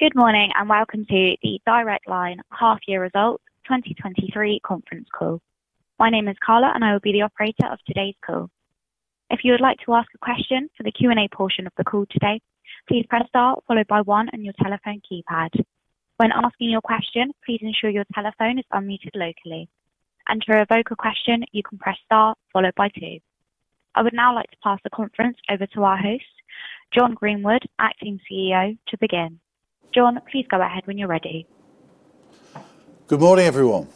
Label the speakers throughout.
Speaker 1: Good morning, and welcome to the Direct Line Half Year Results 2023 conference call. My name is Carla, and I will be the operator of today's call. If you would like to ask a question for the Q&A portion of the call today, please press star followed by one on your telephone keypad. When asking your question, please ensure your telephone is unmuted locally. For a vocal question, you can press Star followed by two. I would now like to pass the conference over to our host, Jon Greenwood, Acting CEO, to begin. Jon, please go ahead when you're ready.
Speaker 2: Good morning, everyone.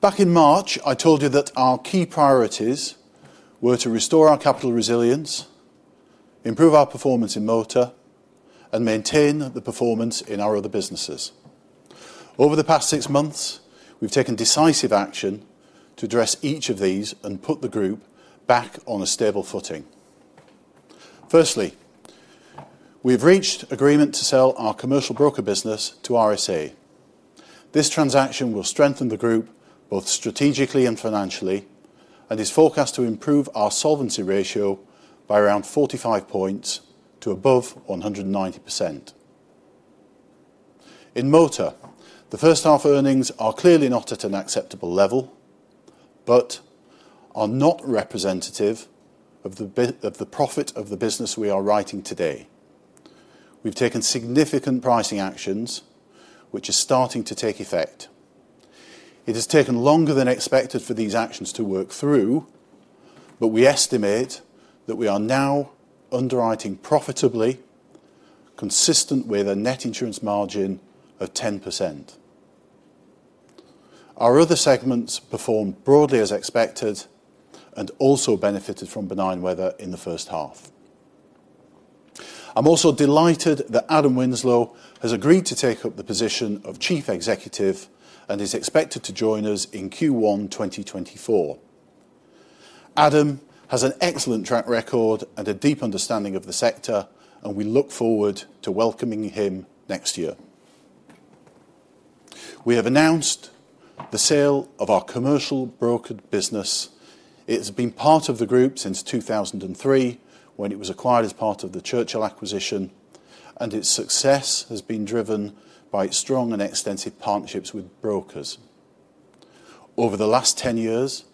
Speaker 2: Back in March, I told you that our key priorities were to restore our capital resilience, improve our performance in motor, and maintain the performance in our other businesses. Over the past six months, we've taken decisive action to address each of these and put the group back on a stable footing. Firstly, we've reached agreement to sell our commercial broker business to RSA. This transaction will strengthen the group, both strategically and financially, and is forecast to improve our solvency ratio by around 45 points to above 190%. In motor, the first half earnings are clearly not at an acceptable level, but are not representative of the bit of the profit of the business we are writing today. We've taken significant pricing actions, which are starting to take effect. It has taken longer than expected for these actions to work through, but we estimate that we are now underwriting profitably, consistent with a net insurance margin of 10%. Our other segments performed broadly as expected and also benefited from benign weather in the first half. I'm also delighted that Adam Winslow has agreed to take up the position of Chief Executive and is expected to join us in Q1 2024. Adam has an excellent track record and a deep understanding of the sector, and we look forward to welcoming him next year. We have announced the sale of our commercial broker business. It's been part of the group since 2003, when it was acquired as part of the Churchill acquisition, and its success has been driven by strong and extensive partnerships with brokers. Over the last 10 years,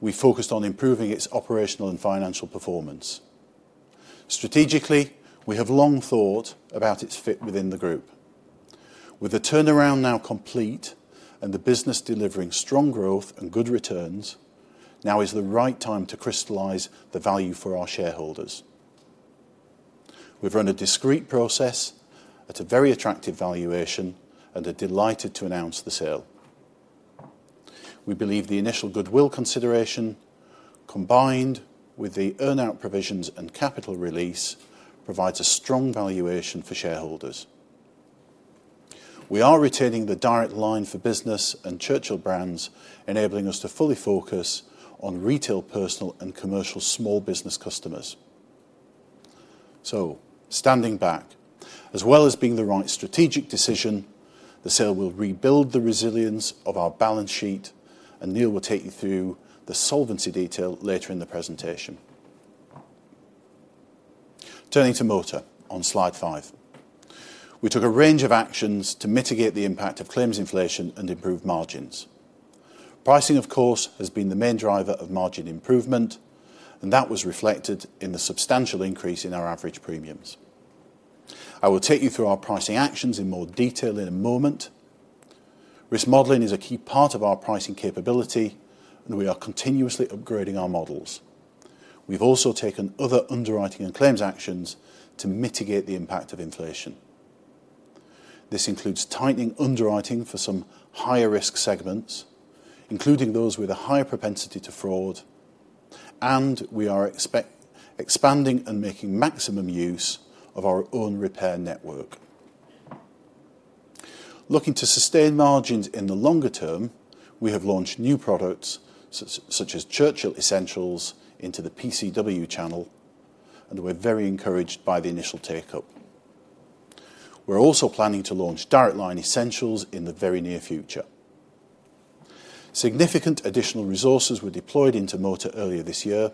Speaker 2: we focused on improving its operational and financial performance. Strategically, we have long thought about its fit within the group. With the turnaround now complete and the business delivering strong growth and good returns, now is the right time to crystallize the value for our shareholders. We've run a discrete process at a very attractive valuation and are delighted to announce the sale. We believe the initial goodwill consideration, combined with the earn-out provisions and capital release, provides a strong valuation for shareholders. We are retaining the Direct Line for Business and Churchill brands, enabling us to fully focus on retail, personal and commercial small business customers. So standing back, as well as being the right strategic decision, the sale will rebuild the resilience of our balance sheet, and Neil will take you through the solvency detail later in the presentation. Turning to motor on slide 5. We took a range of actions to mitigate the impact of claims inflation and improve margins. Pricing, of course, has been the main driver of margin improvement, and that was reflected in the substantial increase in our average premiums. I will take you through our pricing actions in more detail in a moment. Risk modeling is a key part of our pricing capability, and we are continuously upgrading our models. We've also taken other underwriting and claims actions to mitigate the impact of inflation. This includes tightening underwriting for some higher-risk segments, including those with a higher propensity to fraud, and we are expanding and making maximum use of our own repair network. Looking to sustain margins in the longer term, we have launched new products, such as Churchill Essentials, into the PCW channel, and we're very encouraged by the initial take-up. We're also planning to launch Direct Line Essentials in the very near future. Significant additional resources were deployed into motor earlier this year,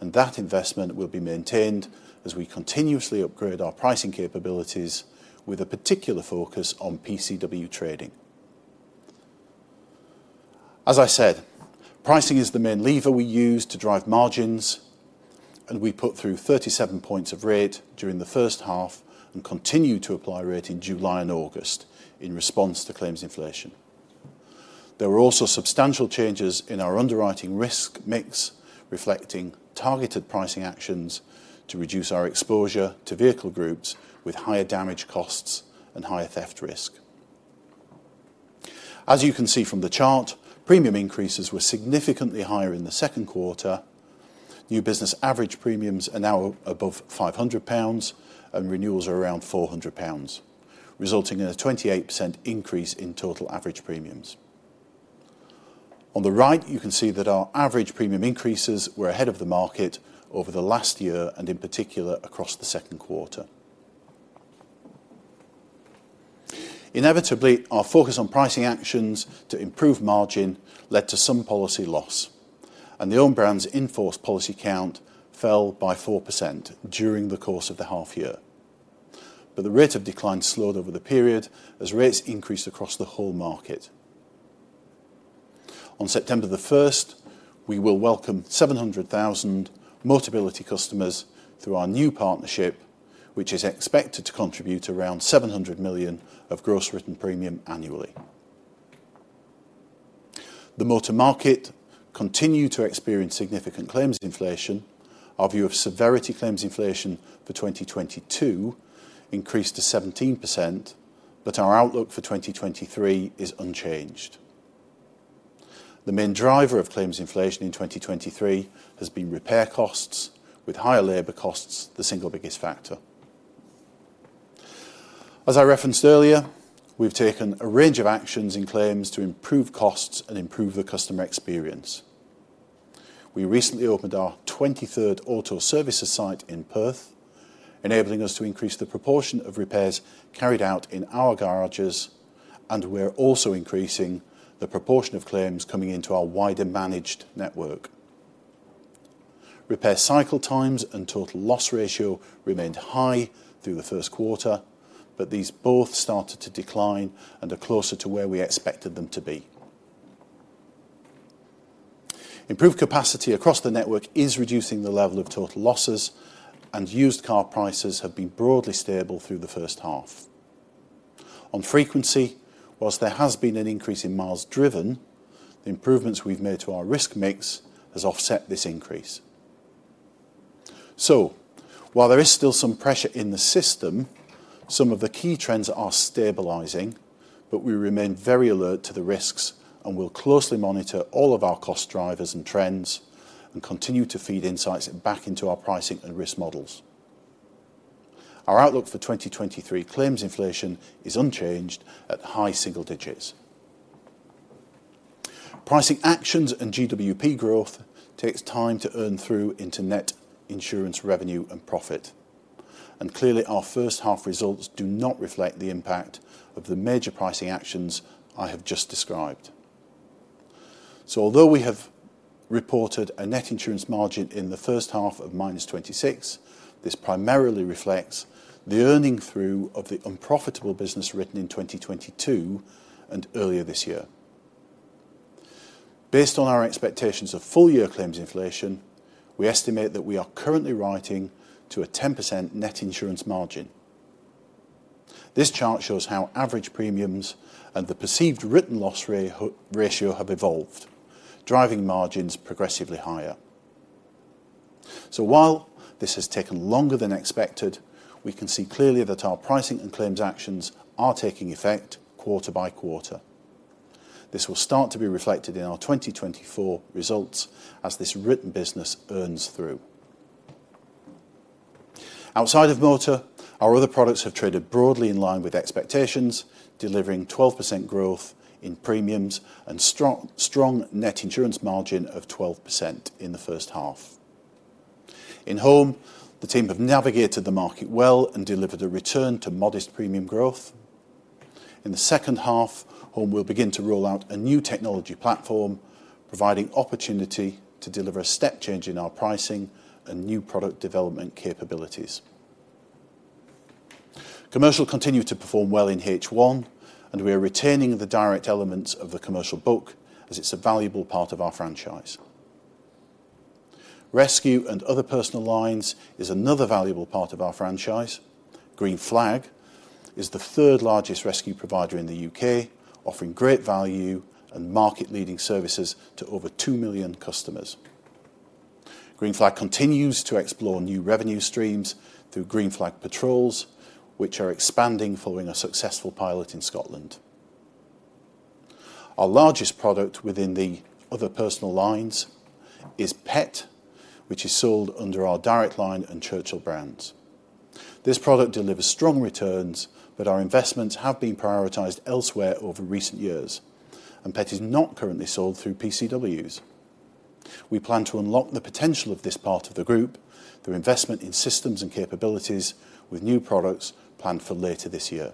Speaker 2: and that investment will be maintained as we continuously upgrade our pricing capabilities with a particular focus on PCW trading. As I said, pricing is the main lever we use to drive margins, and we put through 37 points of rate during the first half and continue to apply rate in July and August in response to claims inflation. There were also substantial changes in our underwriting risk mix, reflecting targeted pricing actions to reduce our exposure to vehicle groups with higher damage costs and higher theft risk. As you can see from the chart, premium increases were significantly higher in the second quarter. New business average premiums are now above 500 pounds, and renewals are around 400 pounds, resulting in a 28% increase in total average premiums. On the right, you can see that our average premium increases were ahead of the market over the last year and, in particular, across the second quarter.... Inevitably, our focus on pricing actions to improve margin led to some policy loss, and the own brands in force policy count fell by 4% during the course of the half year. But the rate of decline slowed over the period as rates increased across the whole market. On September the first, we will welcome 700,000 Motability customers through our new partnership, which is expected to contribute around 700 million of gross written premium annually. The Motor market continued to experience significant claims inflation. Our view of severity claims inflation for 2022 increased to 17%, but our outlook for 2023 is unchanged. The main driver of claims inflation in 2023 has been repair costs, with higher labor costs the single biggest factor. As I referenced earlier, we've taken a range of actions in claims to improve costs and improve the customer experience. We recently opened our 23rd auto services site in Perth, enabling us to increase the proportion of repairs carried out in our garages, and we're also increasing the proportion of claims coming into our wider managed network. Repair cycle times and total loss ratio remained high through the first quarter, but these both started to decline and are closer to where we expected them to be. Improved capacity across the network is reducing the level of total losses, and used car prices have been broadly stable through the first half. On frequency, whilst there has been an increase in miles driven, the improvements we've made to our risk mix has offset this increase. So while there is still some pressure in the system, some of the key trends are stabilizing, but we remain very alert to the risks, and we'll closely monitor all of our cost drivers and trends and continue to feed insights back into our pricing and risk models. Our outlook for 2023 claims inflation is unchanged at high single digits. Pricing actions and GWP growth takes time to earn through into net insurance revenue and profit. Clearly, our first half results do not reflect the impact of the major pricing actions I have just described. So although we have reported a net insurance margin in the first half of -26%, this primarily reflects the earning through of the unprofitable business written in 2022 and earlier this year. Based on our expectations of full-year claims inflation, we estimate that we are currently writing to a 10% net insurance margin. This chart shows how average premiums and the perceived written loss ratio have evolved, driving margins progressively higher. So while this has taken longer than expected, we can see clearly that our pricing and claims actions are taking effect quarter by quarter. This will start to be reflected in our 2024 results as this written business earns through. Outside of motor, our other products have traded broadly in line with expectations, delivering 12% growth in premiums and strong, strong net insurance margin of 12% in the first half. In Home, the team have navigated the market well and delivered a return to modest premium growth. In the second half, Home will begin to roll out a new technology platform, providing opportunity to deliver a step change in our pricing and new product development capabilities. Commercial continued to perform well in H1, and we are retaining the direct elements of the commercial book as it's a valuable part of our franchise. Rescue and other personal lines is another valuable part of our franchise. Green Flag is the third-largest rescue provider in the U.K., offering great value and market-leading services to over 2 million customers. Green Flag continues to explore new revenue streams through Green Flag patrols, which are expanding following a successful pilot in Scotland. Our largest product within the other personal lines is Pet, which is sold under our Direct Line and Churchill brands. This product delivers strong returns, but our investments have been prioritized elsewhere over recent years, and Pet is not currently sold through PCWs. We plan to unlock the potential of this part of the group through investment in systems and capabilities with new products planned for later this year.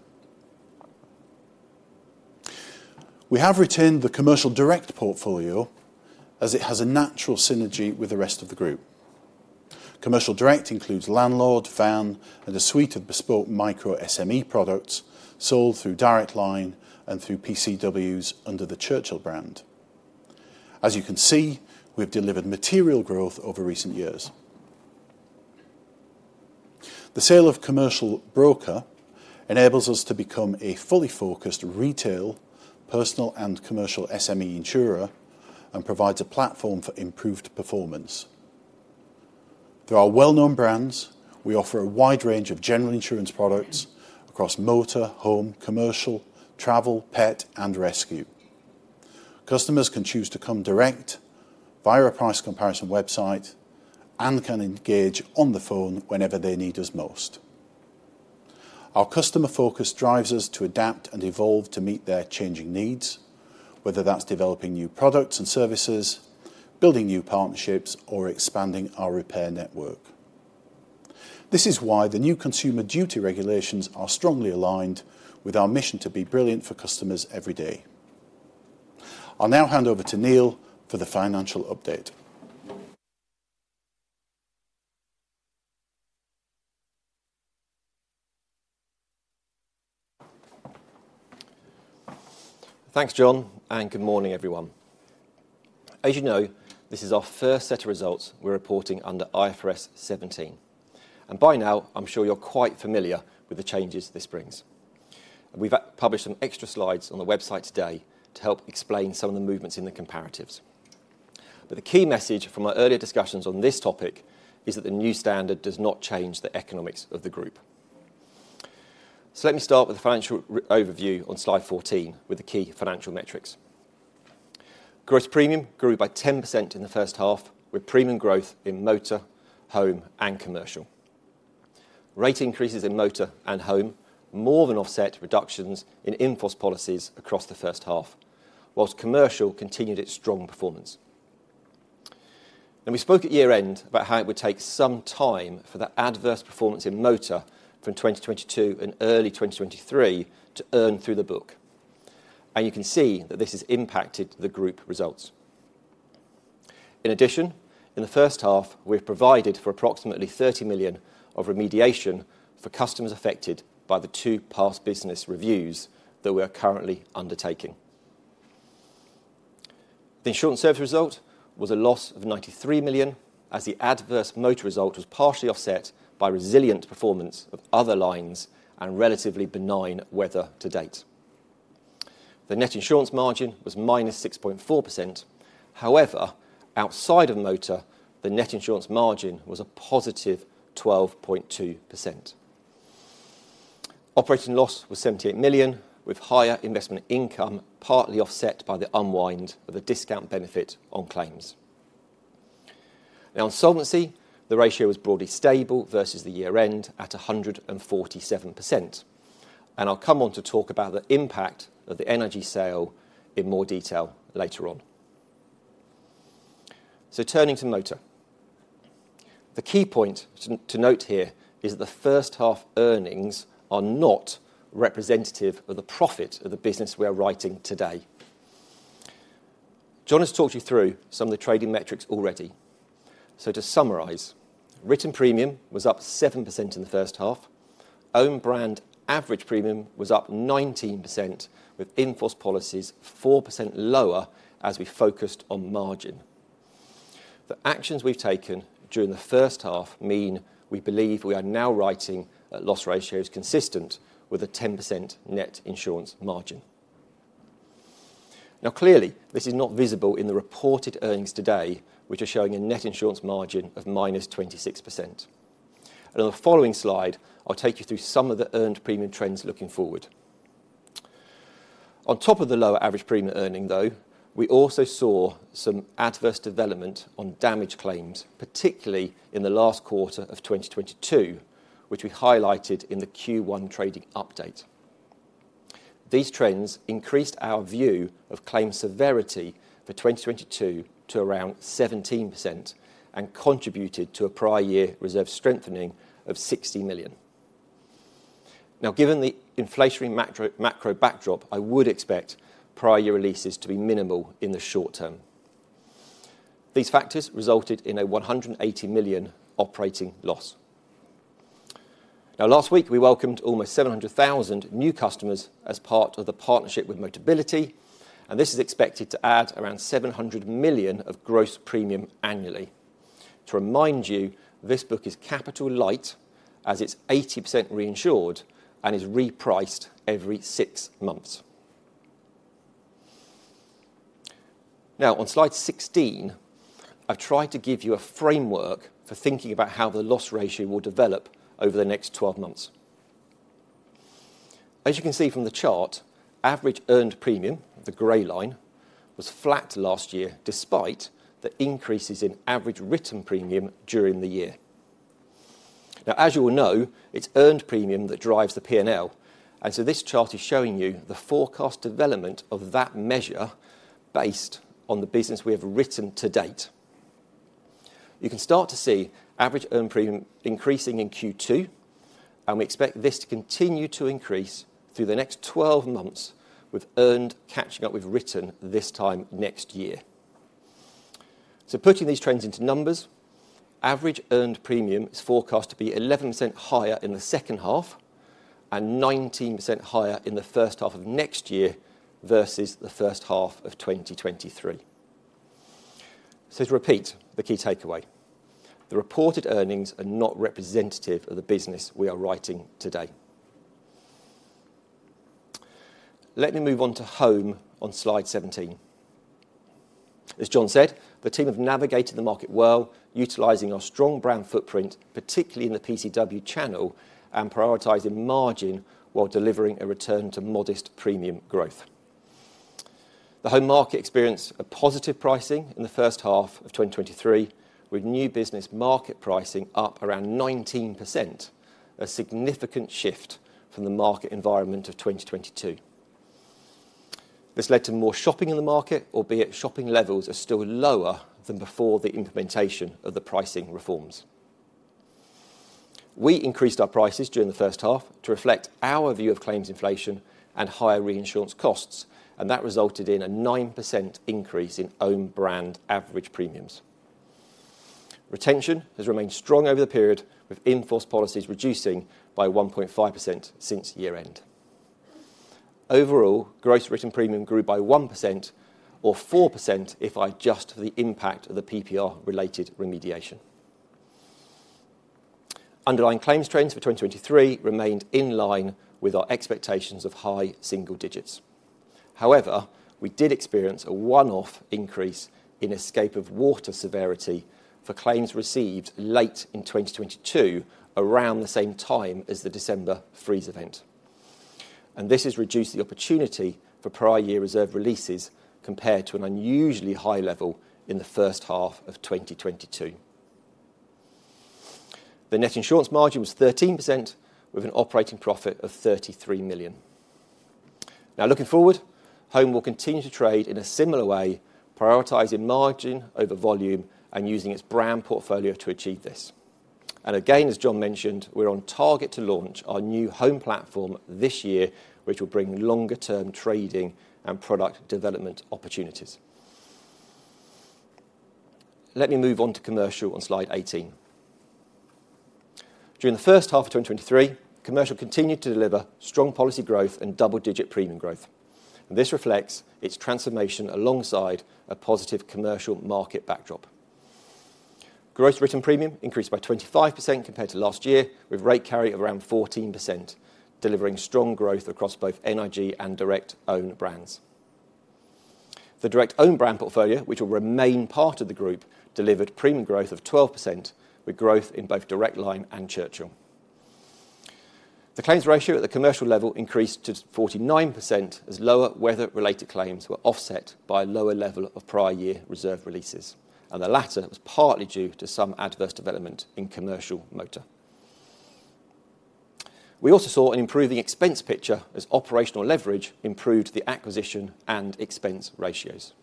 Speaker 2: We have retained the commercial direct portfolio as it has a natural synergy with the rest of the group. Commercial direct includes landlord, van, and a suite of bespoke micro SME products sold through Direct Line and through PCWs under the Churchill brand. As you can see, we've delivered material growth over recent years. The sale of commercial broker enables us to become a fully focused retail, personal and commercial SME insurer and provides a platform for improved performance. Through our well-known brands, we offer a wide range of general insurance products across motor, home, commercial, travel, pet and rescue. Customers can choose to come direct via a price comparison website and can engage on the phone whenever they need us most. Our customer focus drives us to adapt and evolve to meet their changing needs, whether that's developing new products and services, building new partnerships, or expanding our repair network. This is why the new Consumer Duty regulations are strongly aligned with our mission to be brilliant for customers every day. I'll now hand over to Neil for the financial update.
Speaker 3: Thanks, Jon, and good morning, everyone. As you know, this is our first set of results we're reporting under IFRS 17. By now, I'm sure you're quite familiar with the changes this brings. We've published some extra slides on the website today to help explain some of the movements in the comparatives. The key message from our earlier discussions on this topic is that the new standard does not change the economics of the group. Let me start with the financial overview on slide 14, with the key financial metrics. Gross premium grew by 10% in the first half, with premium growth in motor, home, and commercial. Rate increases in motor and home more than offset reductions in in-force policies across the first half, while commercial continued its strong performance. We spoke at year-end about how it would take some time for that adverse performance in motor from 2022 and early 2023 to earn through the book, and you can see that this has impacted the group results. In addition, in the first half, we've provided for approximately 30 million of remediation for customers affected by the two past business reviews that we are currently undertaking. The insurance service result was a loss of 93 million, as the adverse motor result was partially offset by resilient performance of other lines and relatively benign weather to date. The net insurance margin was -6.4%. However, outside of motor, the net insurance margin was a positive 12.2%. Operating loss was 78 million, with higher investment income, partly offset by the unwind of the discount benefit on claims. Now, on solvency, the ratio was broadly stable versus the year-end at 147%, and I'll come on to talk about the impact of the NIG sale in more detail later on. So turning to motor. The key point to note here is the first half earnings are not representative of the profit of the business we are writing today. Jon has talked you through some of the trading metrics already. So to summarise, written premium was up 7% in the first half. Own brand average premium was up 19%, with in-force policies 4% lower as we focused on margin. The actions we've taken during the first half mean we believe we are now writing at loss ratios consistent with a 10% net insurance margin. Now, clearly, this is not visible in the reported earnings today, which are showing a net insurance margin of -26%. On the following slide, I'll take you through some of the earned premium trends looking forward. On top of the lower average premium earning, though, we also saw some adverse development on damage claims, particularly in the last quarter of 2022, which we highlighted in the Q1 trading update. These trends increased our view of claims severity for 2022 to around 17% and contributed to a prior year reserve strengthening of 60 million. Now, given the inflationary macro, macro backdrop, I would expect prior year releases to be minimal in the short term. These factors resulted in a 180 million operating loss. Now, last week, we welcomed almost 700,000 new customers as part of the partnership with Motability, and this is expected to add around 700 million of gross premium annually. To remind you, this book is capital light as it's 80% reinsured and is repriced every 6 months. Now, on slide 16, I've tried to give you a framework for thinking about how the loss ratio will develop over the next 12 months. As you can see from the chart, average earned premium, the gray line, was flat last year, despite the increases in average written premium during the year. Now, as you all know, it's earned premium that drives the P&L, and so this chart is showing you the forecast development of that measure based on the business we have written to date. You can start to see average earned premium increasing in Q2, and we expect this to continue to increase through the next 12 months, with earned catching up with written this time next year. So putting these trends into numbers, average earned premium is forecast to be 11% higher in the second half and 19% higher in the first half of next year versus the first half of 2023. So to repeat the key takeaway, the reported earnings are not representative of the business we are writing today. Let me move on to home on slide 17. As Jon said, the team have navigated the market well, utilizing our strong brand footprint, particularly in the PCW channel, and prioritizing margin while delivering a return to modest premium growth. The home market experienced a positive pricing in the first half of 2023, with new business market pricing up around 19%, a significant shift from the market environment of 2022. This led to more shopping in the market, albeit shopping levels are still lower than before the implementation of the pricing reforms. We increased our prices during the first half to reflect our view of claims inflation and higher reinsurance costs, and that resulted in a 9% increase in own brand average premiums. Retention has remained strong over the period, with in-force policies reducing by 1.5% since year-end. Overall, gross written premium grew by 1% or 4% if I adjust for the impact of the PBR related remediation. Underlying claims trends for 2023 remained in line with our expectations of high single digits. However, we did experience a one-off increase in escape of water severity for claims received late in 2022, around the same time as the December freeze event. This has reduced the opportunity for prior year reserve releases compared to an unusually high level in the first half of 2022. The net insurance margin was 13%, with an operating profit of 33 million. Now, looking forward, Home will continue to trade in a similar way, prioritizing margin over volume and using its brand portfolio to achieve this. Again, as Jon mentioned, we're on target to launch our new Home platform this year, which will bring longer-term trading and product development opportunities. Let me move on to commercial on slide 18. During the first half of 2023, commercial continued to deliver strong policy growth and double-digit premium growth. This reflects its transformation alongside a positive commercial market backdrop. Gross written premium increased by 25% compared to last year, with rate carry of around 14%, delivering strong growth across both NIG and direct own brands. The direct own brand portfolio, which will remain part of the group, delivered premium growth of 12%, with growth in both Direct Line and Churchill. The claims ratio at the commercial level increased to 49%, as lower weather-related claims were offset by a lower level of prior year reserve releases, and the latter was partly due to some adverse development in commercial motor. We also saw an improving expense picture as operational leverage improved the acquisition and expense ratios.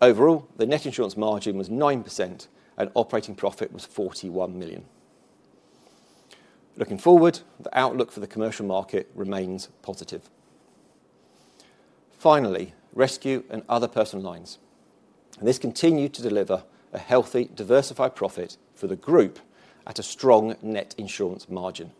Speaker 3: Overall, the net insurance margin was 9% and operating profit was 41 million. Looking forward, the outlook for the commercial market remains positive. Finally, Rescue and other personal lines. This continued to deliver a healthy, diversified profit for the group at a strong net insurance margin.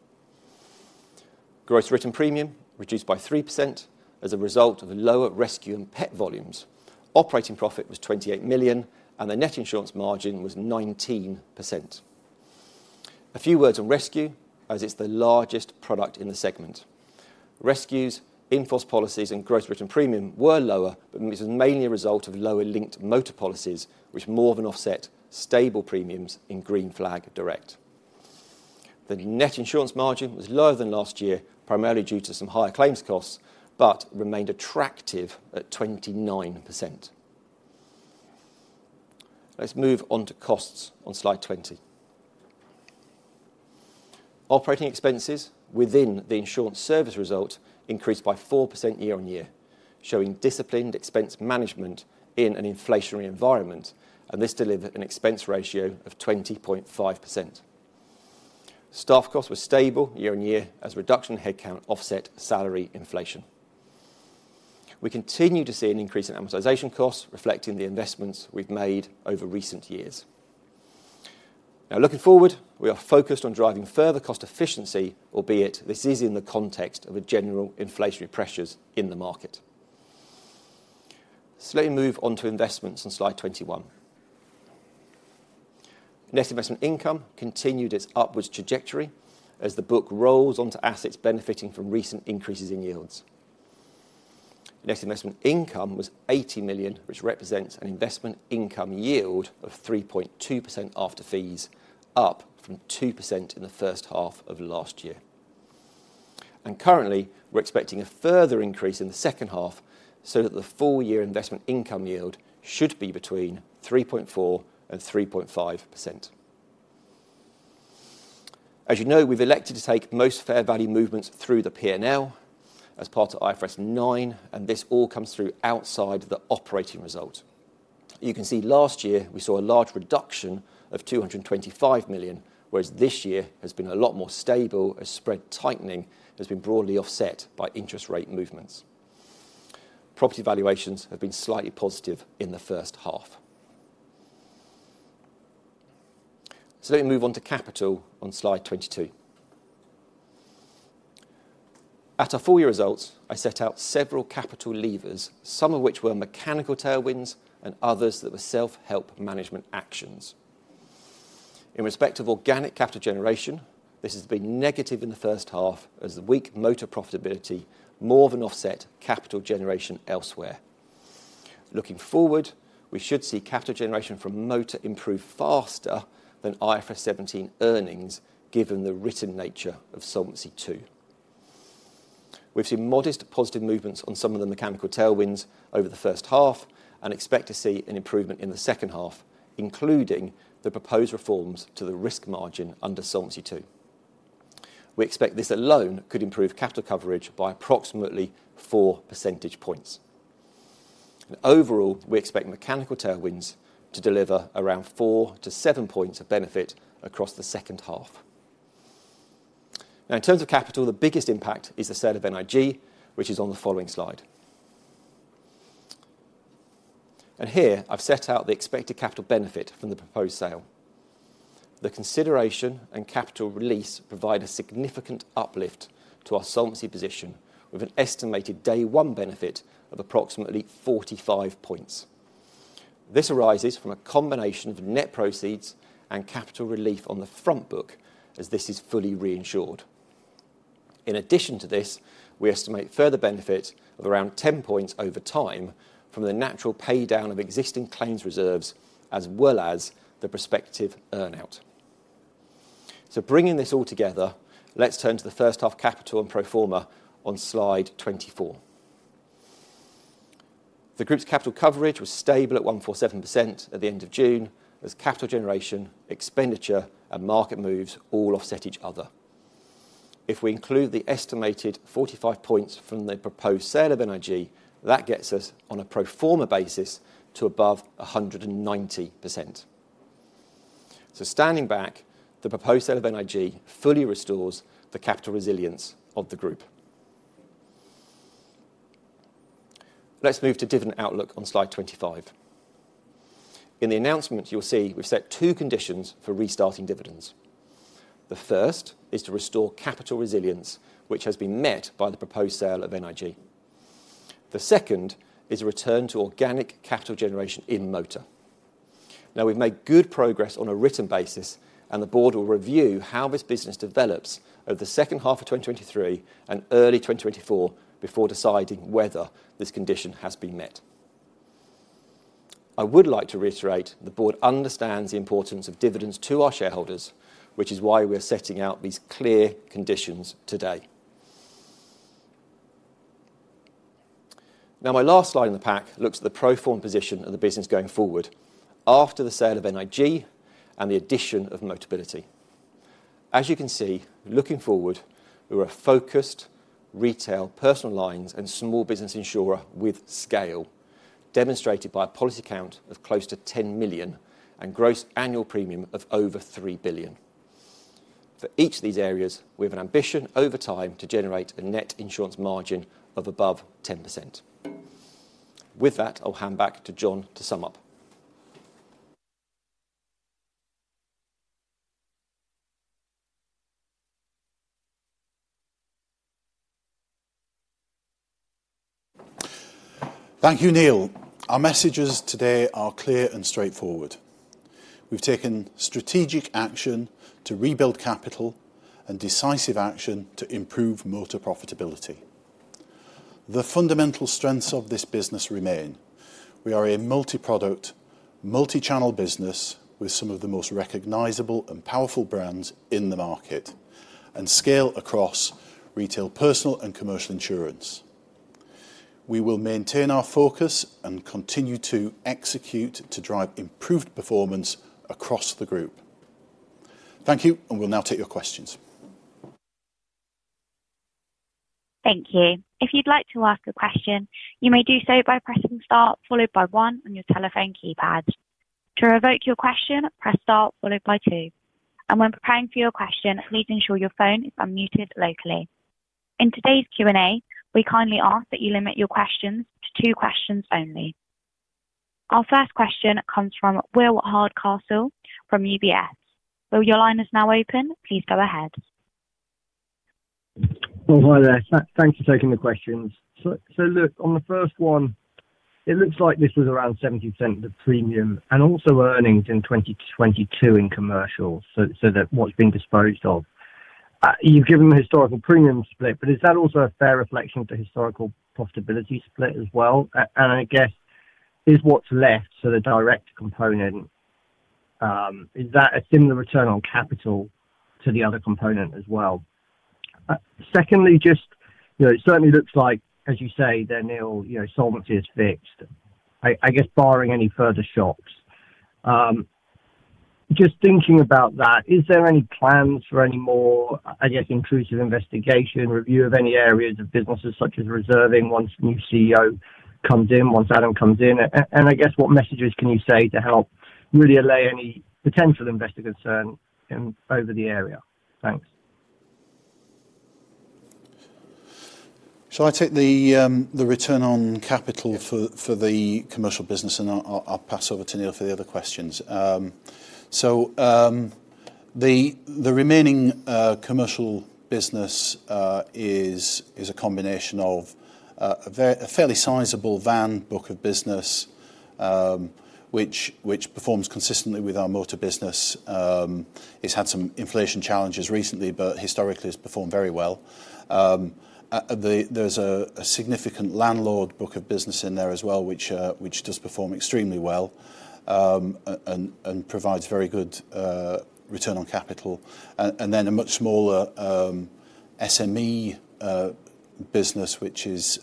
Speaker 3: Gross written premium reduced by 3% as a result of the lower Rescue and pet volumes. Operating profit was 28 million, and the net insurance margin was 19%. A few words on Rescue, as it's the largest product in the segment. Rescue's in-force policies and gross written premium were lower, but this is mainly a result of lower linked motor policies, which more than offset stable premiums in Green Flag Direct. The net insurance margin was lower than last year, primarily due to some higher claims costs, but remained attractive at 29%. Let's move on to costs on slide 20. Operating expenses within the insurance service result increased by 4% year-on-year, showing disciplined expense management in an inflationary environment, and this delivered an expense ratio of 20.5%. Staff costs were stable year-on-year as reduction in headcount offset salary inflation. We continue to see an increase in amortization costs, reflecting the investments we've made over recent years. Now looking forward, we are focused on driving further cost efficiency, albeit this is in the context of a general inflationary pressures in the market. So let me move on to investments on slide 21. Net investment income continued its upwards trajectory as the book rolls onto assets benefiting from recent increases in yields. Net investment income was 80 million, which represents an investment income yield of 3.2% after fees, up from 2% in the first half of last year. Currently, we're expecting a further increase in the second half so that the full year investment income yield should be between 3.4% and 3.5%. As you know, we've elected to take most fair value movements through the P&L as part of IFRS 9, and this all comes through outside the operating result. You can see last year we saw a large reduction of 225 million, whereas this year has been a lot more stable as spread tightening has been broadly offset by interest rate movements. Property valuations have been slightly positive in the first half. Let me move on to capital on slide 22. At our full year results, I set out several capital levers, some of which were mechanical tailwinds and others that were self-help management actions. In respect of organic capital generation, this has been negative in the first half as the weak motor profitability more than offset capital generation elsewhere. Looking forward, we should see capital generation from motor improve faster than IFRS 17 earnings, given the written nature of Solvency II. We've seen modest positive movements on some of the mechanical tailwinds over the first half and expect to see an improvement in the second half, including the proposed reforms to the risk margin under Solvency II. We expect this alone could improve capital coverage by approximately 4 percentage points. Overall, we expect mechanical tailwinds to deliver around 4-7 points of benefit across the second half. Now, in terms of capital, the biggest impact is the sale of NIG, which is on the following slide. Here, I've set out the expected capital benefit from the proposed sale. The consideration and capital release provide a significant uplift to our solvency position, with an estimated day one benefit of approximately 45 points. This arises from a combination of net proceeds and capital relief on the front book, as this is fully reinsured. In addition to this, we estimate further benefit of around 10 points over time from the natural pay down of existing claims reserves, as well as the prospective earn-out. So bringing this all together, let's turn to the first half capital and pro forma on slide 24. The group's capital coverage was stable at 147% at the end of June, as capital generation, expenditure, and market moves all offset each other. If we include the estimated 45 points from the proposed sale of NIG, that gets us on a pro forma basis to above 190%. So standing back, the proposed sale of NIG fully restores the capital resilience of the group. Let's move to dividend outlook on slide 25. In the announcement, you'll see we've set two conditions for restarting dividends. The first is to restore capital resilience, which has been met by the proposed sale of NIG. The second is a return to organic capital generation in motor. Now, we've made good progress on a written basis, and the board will review how this business develops over the second half of 2023 and early 2024 before deciding whether this condition has been met. I would like to reiterate, the board understands the importance of dividends to our shareholders, which is why we're setting out these clear conditions today. Now, my last slide in the pack looks at the pro forma position of the business going forward after the sale of NIG and the addition of Motability. As you can see, looking forward, we're a focused retail, personal lines, and small business insurer with scale, demonstrated by a policy count of close to 10 million and gross annual premium of over 3 billion. For each of these areas, we have an ambition over time to generate a net insurance margin of above 10%. With that, I'll hand back to Jon to sum up.
Speaker 2: Thank you, Neil. Our messages today are clear and straightforward. We've taken strategic action to rebuild capital and decisive action to improve motor profitability. The fundamental strengths of this business remain. We are a multi-product, multi-channel business with some of the most recognizable and powerful brands in the market, and scale across retail, personal, and commercial insurance. We will maintain our focus and continue to execute to drive improved performance across the group. Thank you, and we'll now take your questions.
Speaker 1: Thank you. If you'd like to ask a question, you may do so by pressing star followed by one on your telephone keypad. To revoke your question, press star followed by two. When preparing for your question, please ensure your phone is unmuted locally. In today's Q&A, we kindly ask that you limit your questions to two questions only. Our first question comes from Will Hardcastle from UBS. Will, your line is now open. Please go ahead.
Speaker 4: Well, hi there. Thanks for taking the questions. So look, on the first one, it looks like this was around 70% of the premium and also earnings in 2022 in commercial, so that what's being disposed of. You've given the historical premium split, but is that also a fair reflection of the historical profitability split as well? And I guess, is what's left, so the direct component, is that a similar return on capital to the other component as well? Secondly, just it certainly looks like, as you say, then neil solvency is fixed, I guess barring any further shocks. Just thinking about that, is there any plans for any more, I guess, inclusive investigation, review of any areas of businesses, such as reserving once new CEO comes in, once Adam comes in? And I guess what messages can you say to help really allay any potential investor concerns over the area? Thanks.
Speaker 2: So I take the return on capital for the commercial business, and I'll pass over to Neil for the other questions. So the remaining commercial business is a combination of a fairly sizable van book of business, which performs consistently with our motor business. It's had some inflation challenges recently, but historically, it's performed very well. There's a significant landlord book of business in there as well, which does perform extremely well and provides very good return on capital. And then a much smaller SME business, which is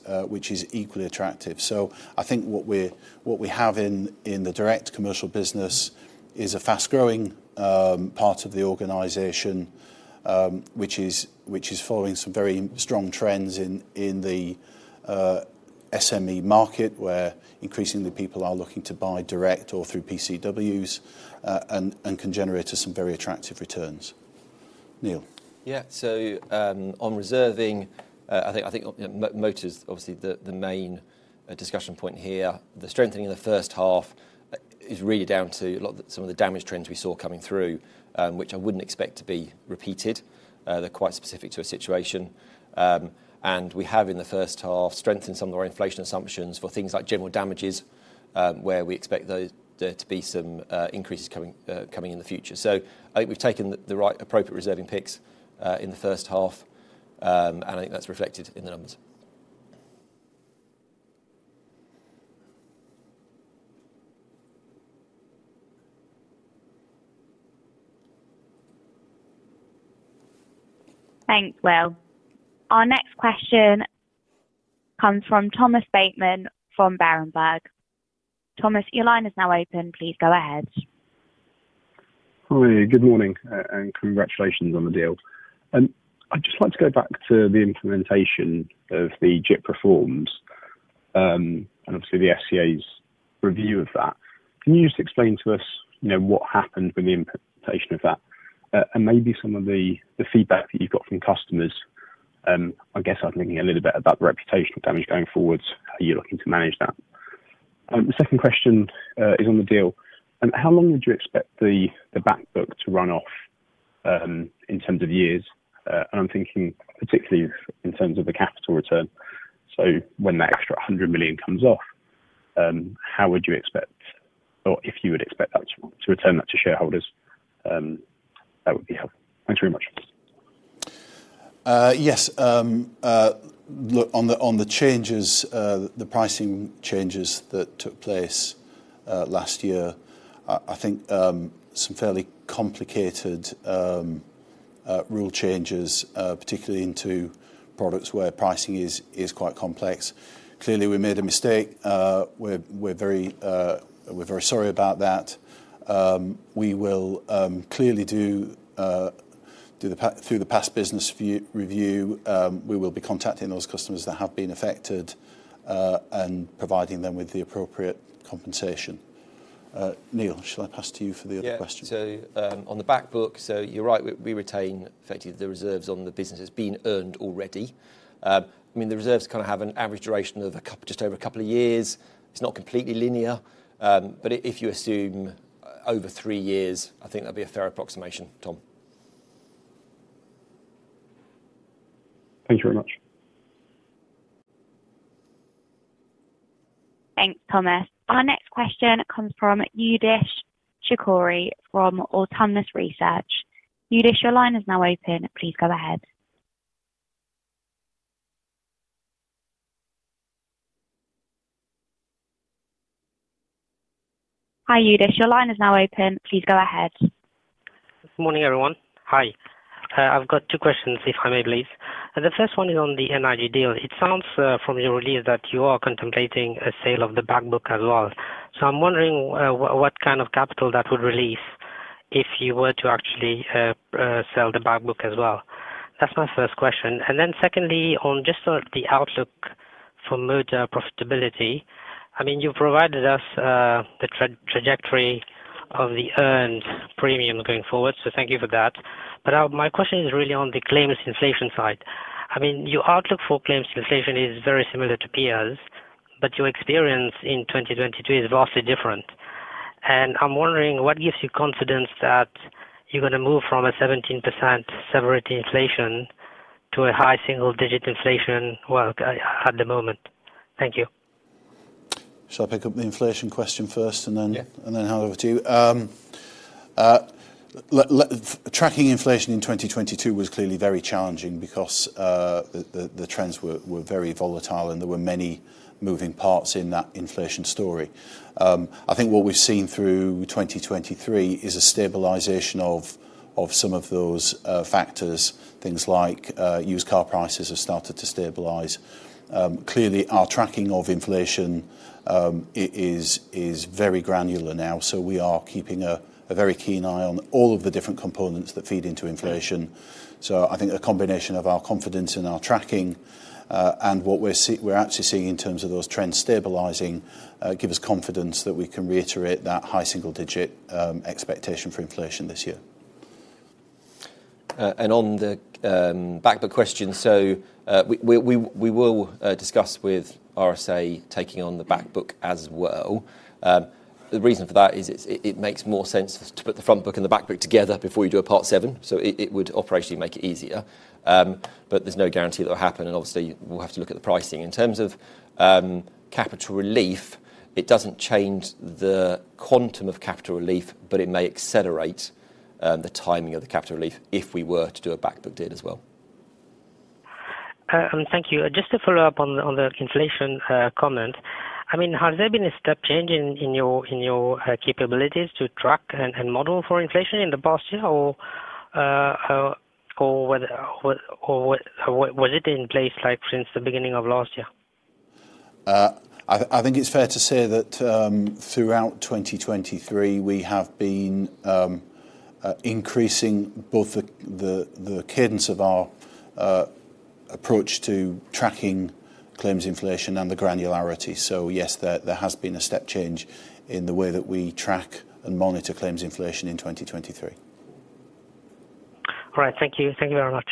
Speaker 2: equally attractive. So I think what we have in the direct commercial business is a fast-growing part of the organization, which is following some very strong trends in the SME market, where increasingly people are looking to buy direct or through PCWs, and can generate us some very attractive returns. Neil?
Speaker 3: Yeah. So, on reserving, I think, I think motor's obviously the main discussion point here. The strengthening in the first half is really down to a lot of some of the damage trends we saw coming through, which I wouldn't expect to be repeated. They're quite specific to a situation. And we have, in the first half, strengthened some of our inflation assumptions for things like general damages, where we expect those there to be some increases coming in the future. So I think we've taken the right appropriate reserving picks in the first half, and I think that's reflected in the numbers.
Speaker 1: Thanks, Will. Our next question comes from Thomas Bateman from Berenberg. Thomas, your line is now open. Please go ahead.
Speaker 5: Hi. Good morning, and congratulations on the deal. I'd just like to go back to the implementation of the GIPP reforms, and obviously the FCA's review of that. Can you just explain to us what happened with the implementation of that, and maybe some of the feedback that you've got from customers? I guess I'm thinking a little bit about the reputational damage going forward. How are you looking to manage that? The second question is on the deal. How long would you expect the backbook to run off, in terms of years? And I'm thinking particularly in terms of the capital return. So when that extra 100 million comes off, how would you expect, or if you would expect that, to return that to shareholders? That would be helpful. Thanks very much.
Speaker 2: Yes. Look, on the changes, the pricing changes that took place last year, I think some fairly complicated rule changes, particularly into products where pricing is quite complex. Clearly, we made a mistake. We're very sorry about that. We will clearly do the past business review, we will be contacting those customers that have been affected, and providing them with the appropriate compensation. Neil, shall I pass to you for the other question?
Speaker 3: Yeah. So, on the backbook, so you're right, we, we retain effectively the reserves on the business that's been earned already. I mean, the reserves kind of have an average duration of just over a couple of years. It's not completely linear, but if you assume over three years, I think that'd be a fair approximation, Tom.
Speaker 5: Thank you very much.
Speaker 1: Thanks, Thomas. Our next question comes from Yuodish Chicooree from Autonomous Research. Yudish, your line is now open. Please go ahead. Hi, Yudish, your line is now open. Please go ahead.
Speaker 6: Good morning, everyone. Hi. I've got two questions, if I may please. The first one is on the NIG deal. It sounds from your release that you are contemplating a sale of the backbook as well. So I'm wondering what kind of capital that would release if you were to actually sell the backbook as well? That's my first question. And then secondly, on just on the outlook for motor profitability, I mean, you've provided us the trajectory of the earned premium going forward, so thank you for that. But my question is really on the claims inflation side. I mean, your outlook for claims inflation is very similar to peers, but your experience in 2022 is vastly different. I'm wondering, what gives you confidence that you're gonna move from a 17% severity inflation to a high single-digit inflation, well, at the moment? Thank you.
Speaker 2: Shall I pick up the inflation question first, and then?
Speaker 3: Yeah
Speaker 2: And then hand over to you? Tracking inflation in 2022 was clearly very challenging because the trends were very volatile, and there were many moving parts in that inflation story. I think what we've seen through 2023 is a stabilization of some of those factors. Things like used car prices have started to stabilize. Clearly, our tracking of inflation is very granular now, so we are keeping a very keen eye on all of the different components that feed into inflation. So I think a combination of our confidence in our tracking and what we're actually seeing in terms of those trends stabilizing give us confidence that we can reiterate that high single digit expectation for inflation this year.
Speaker 3: And on the backbook question, so we will discuss with RSA taking on the backbook as well. The reason for that is it makes more sense to put the frontbook and the backbook together before you do a Part VII. So it would operationally make it easier, but there's no guarantee that will happen, and obviously, we'll have to look at the pricing. In terms of capital relief, it doesn't change the quantum of capital relief, but it may accelerate the timing of the capital relief if we were to do a backbook deal as well.
Speaker 6: Thank you. Just to follow up on the inflation comment, I mean, has there been a step change in your capabilities to track and model for inflation in the past year, or whether was it in place, like, since the beginning of last year?
Speaker 2: I think it's fair to say that throughout 2023, we have been increasing both the cadence of our approach to tracking claims inflation and the granularity. So yes, there has been a step change in the way that we track and monitor claims inflation in 2023.
Speaker 6: All right. Thank you. Thank you very much.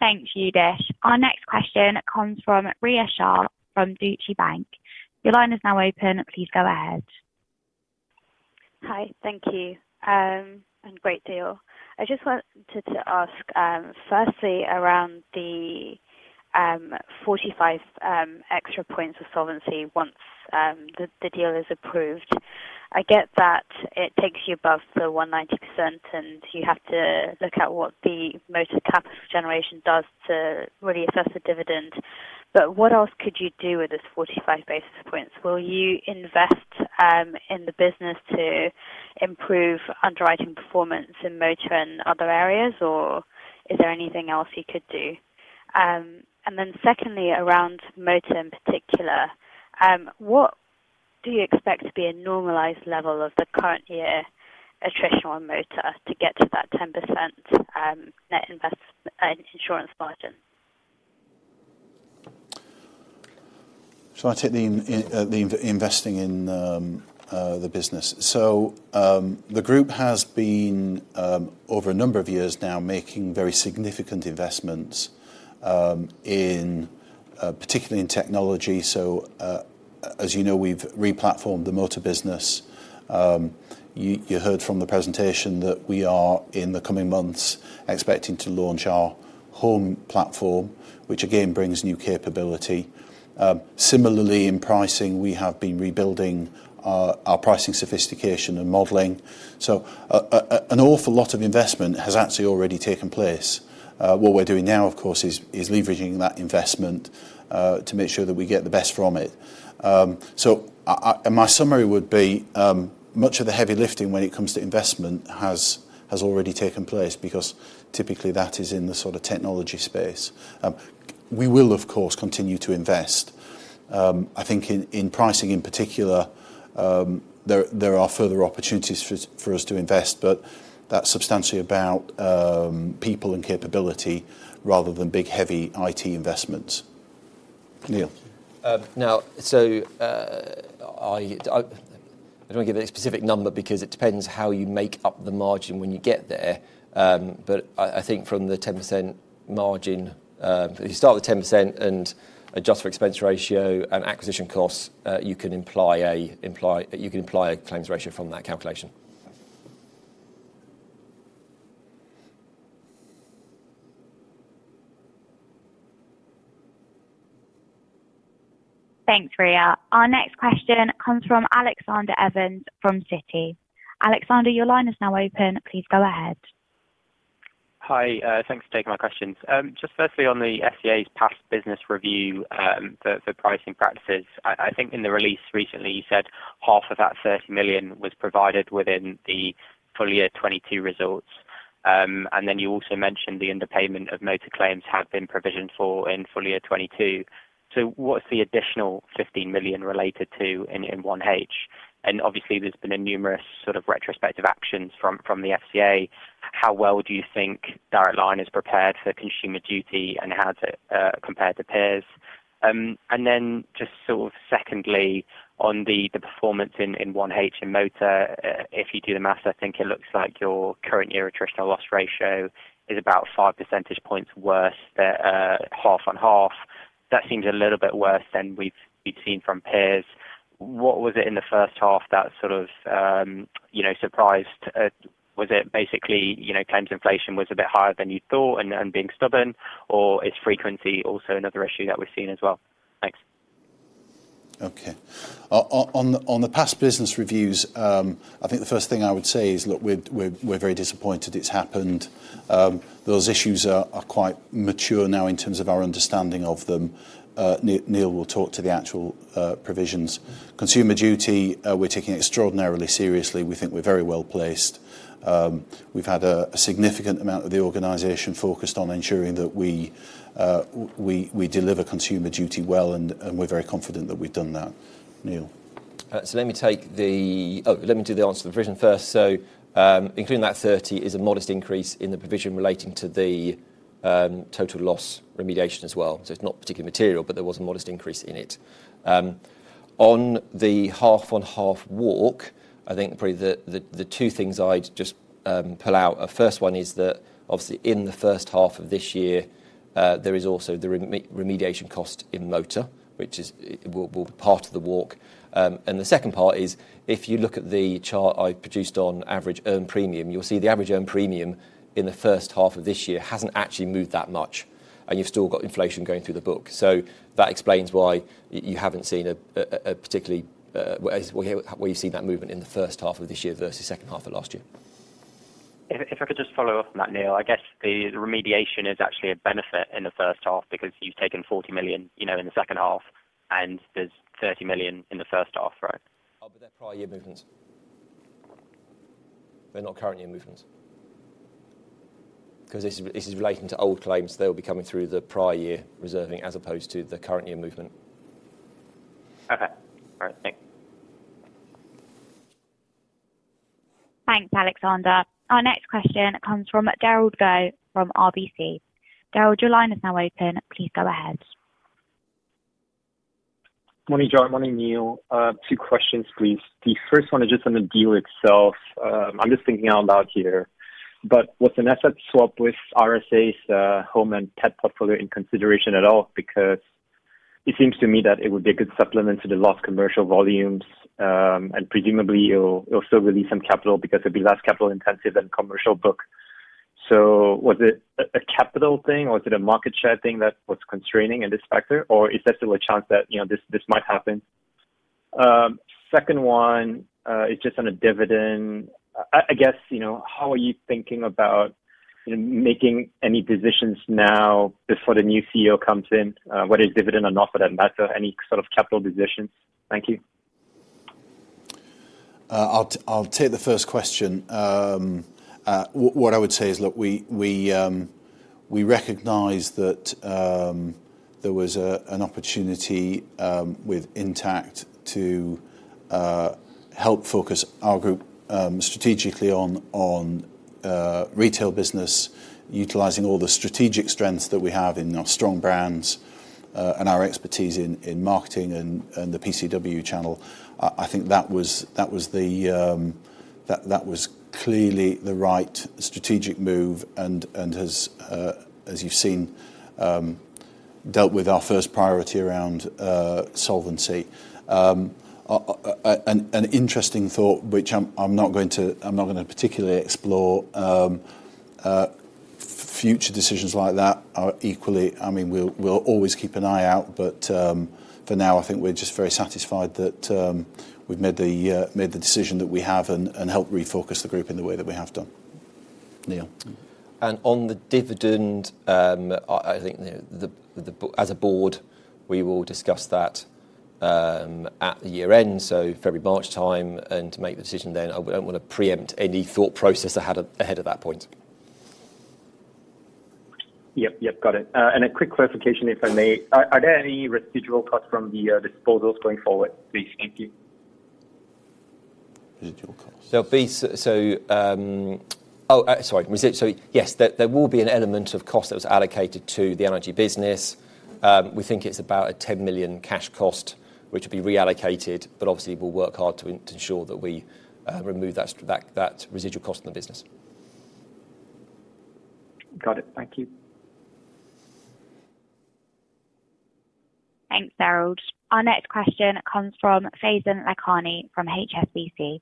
Speaker 1: Thanks, Yudish. Our next question comes from Rhea Shah from Deutsche Bank. Your line is now open. Please go ahead.
Speaker 7: Hi. Thank you, and great deal. I just wanted to ask, firstly, around the 45 extra points of solvency once the deal is approved. I get that it takes you above the 190%, and you have to look at what the motor capital generation does to really assess the dividend. But what else could you do with this 45 basis points? Will you invest in the business to improve underwriting performance in motor and other areas, or is there anything else you could do? And then secondly, around motor in particular, what do you expect to be a normalized level of the current year attrition on motor to get to that 10% net insurance margin?
Speaker 2: Shall I take investing in the business? So, the group has been, over a number of years now, making very significant investments, particularly in technology. So, as you know, we've replatformed the motor business. You heard from the presentation that we are, in the coming months, expecting to launch our home platform, which again, brings new capability. Similarly, in pricing, we have been rebuilding our pricing sophistication and modeling. So an awful lot of investment has actually already taken place. What we're doing now, of course, is leveraging that investment to make sure that we get the best from it. My summary would be, much of the heavy lifting when it comes to investment has already taken place because typically that is in the sort of technology space. We will, of course, continue to invest. I think in pricing, in particular, there are further opportunities for us to invest, but that's substantially about people and capability rather than big, heavy IT investments. Neil.
Speaker 3: Now, so, I don't want give a specific number because it depends how you make up the margin when you get there. But I think from the 10% margin, if you start with 10% and adjust for expense ratio and acquisition costs, you can imply a claims ratio from that calculation.
Speaker 1: Thanks, Rhea. Our next question comes from Alexander Evans from Citi. Alexander, your line is now open. Please go ahead.
Speaker 8: Hi, thanks for taking my questions. Just firstly, on the FCA's past business review, for pricing practices, I think in the release recently, you said half of that 30 million was provided within the full year 2022 results. And then you also mentioned the underpayment of motor claims have been provisioned for in full year 2022. So what's the additional 15 million related to in 1H? And obviously, there's been a numerous sort of retrospective actions from the FCA. How well do you think Direct Line is prepared for Consumer Duty, and how does it compare to peers? And then just sort of secondly, on the performance in 1H in motor, if you do the math, I think it looks like your current year attritional loss ratio is about five percentage points worse than half on half. That seems a little bit worse than we've seen from peers. What was it in the first half that sort of surprised? Was it basically claims inflation was a bit higher than you thought and being stubborn, or is frequency also another issue that we're seeing as well? Thanks.
Speaker 2: Okay. On the past business reviews, I think the first thing I would say is, look, we're very disappointed it's happened. Those issues are quite mature now in terms of our understanding of them. Neil will talk to the actual provisions. Consumer Duty, we're taking extraordinarily seriously. We think we're very well placed. We've had a significant amount of the organization focused on ensuring that we deliver Consumer Duty well, and we're very confident that we've done that. Neil.
Speaker 3: So let me do the answer to the provision first. So, including that 30 is a modest increase in the provision relating to the total loss remediation as well. So it's not particularly material, but there was a modest increase in it. On the half-on-half walk, I think probably the two things I'd just pull out. First one is that obviously, in the first half of this year, there is also the remediation cost in motor, which is part of the walk. And the second part is if you look at the chart I've produced on average earned premium, you'll see the average earned premium in the first half of this year hasn't actually moved that much, and you've still got inflation going through the book. So that explains why you haven't seen a particularly where you've seen that movement in the first half of this year versus second half of last year....
Speaker 8: If I could just follow up on that, Neil, I guess the remediation is actually a benefit in the first half because you've taken 40 million in the second half, and there's 30 million in the first half, right?
Speaker 3: Oh, but they're prior year movements. They're not current year movements. 'Cause this is, this is relating to old claims that will be coming through the prior year reserving, as opposed to the current year movement.
Speaker 8: Okay. All right, thanks.
Speaker 1: Thanks, Alexander. Our next question comes from Derald Goh from RBC. Derald, your line is now open. Please go ahead.
Speaker 9: Morning, Jon. Morning, Neil. Two questions, please. The first one is just on the deal itself. I'm just thinking out loud here, but was an asset swap with RSA's home and pet portfolio in consideration at all? Because it seems to me that it would be a good supplement to the lost commercial volumes. And presumably, it'll still release some capital because it'd be less capital intensive than commercial book. So was it a capital thing, or is it a market share thing that was constraining in this factor? Or is there still a chance that this might happen? Second one is just on a dividend. I guess how are you thinking about making any decisions now, before the new CEO comes in? What is dividend and offer that matter, any sort of capital decisions? Thank you.
Speaker 2: I'll take the first question. What I would say is, look, we recognize that there was an opportunity with Intact to help focus our group strategically on retail business, utilizing all the strategic strengths that we have in our strong brands and our expertise in marketing and the PCW channel. I think that was clearly the right strategic move and has, as you've seen, dealt with our first priority around solvency. An interesting thought, which I'm not going to particularly explore, future decisions like that are equally—I mean, we'll always keep an eye out, but for now, I think we're just very satisfied that we've made the decision that we have and helped refocus the group in the way that we have done. Neil.
Speaker 3: On the dividend, I think, as a board, we will discuss that at the year-end, so February, March time, and to make the decision then. I wouldn't want to preempt any thought process ahead of that point.
Speaker 9: Yep. Yep, got it. And a quick clarification, if I may. Are there any residual costs from the disposals going forward, please? Thank you.
Speaker 2: Residual costs.
Speaker 3: So yes, there will be an element of cost that was allocated to the NIG business. We think it's about a 10 million cash cost, which will be reallocated, but obviously, we'll work hard to ensure that we remove that residual cost in the business.
Speaker 9: Got it. Thank you.
Speaker 1: Thanks, Derald. Our next question comes from Faizan Lakhani from HSBC.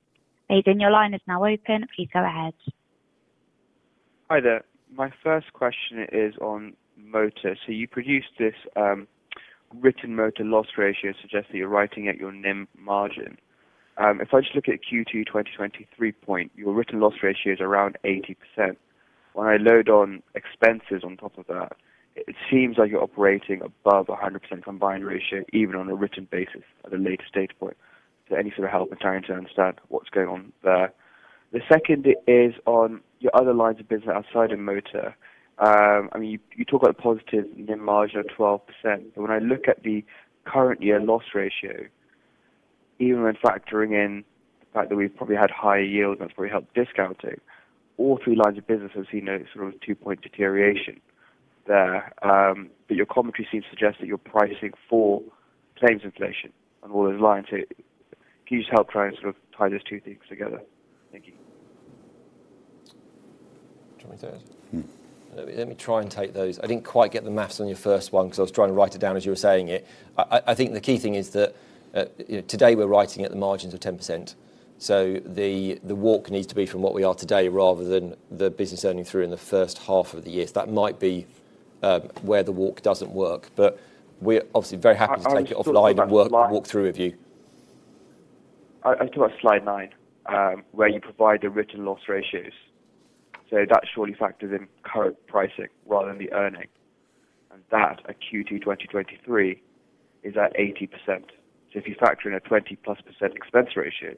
Speaker 1: Faizan, your line is now open. Please go ahead.
Speaker 10: Hi there. My first question is on motor. So you produced this written motor loss ratio, suggest that you're writing at your NIM margin. If I just look at Q2 2023 point, your written loss ratio is around 80%. When I load on expenses on top of that, it seems like you're operating above 100% combined ratio, even on a written basis at a later date point. So any sort of help in trying to understand what's going on there? The second is on your other lines of business outside of motor. I mean, you talk about a positive NIM margin of 12%, but when I look at the current year loss ratio, even when factoring in the fact that we've probably had higher yields, that's probably helped discounting, all three lines of business have seen a sort of 2-point deterioration there. But your commentary seems to suggest that you're pricing for claims inflation on all those lines. So can you just help try and sort of tie those two things together? Thank you.
Speaker 3: Do you want me to do it? Let me try and take those. I didn't quite get the math on your first one because I was trying to write it down as you were saying it. I think the key thing is that today we're writing at the margins of 10%, so the walk needs to be from what we are today rather than the business earning through in the first half of the year. So that might be where the walk doesn't work, but we're obviously very happy to take it offline and walk through with you.
Speaker 10: I talk about slide 9, where you provide the written loss ratios. So that surely factors in current pricing rather than the earnings. And that, at Q2 2023, is at 80%. So if you factor in a 20+% expense ratio,